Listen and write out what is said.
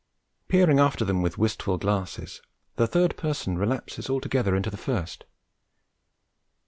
Peering after them with wistful glasses, the third person relapses altogether into the first.